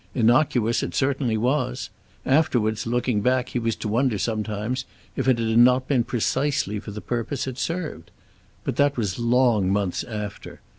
Innocuous it certainly was. Afterwards, looking back, he was to wonder sometimes if it had not been precisely for the purpose it served. But that was long months after.